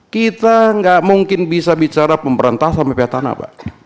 kita nggak mungkin bisa bicara pemberantasan rupiah tanah pak